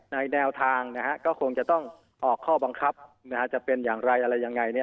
แนวทางก็คงจะต้องออกข้อบังคับจะเป็นอย่างไรอะไรยังไง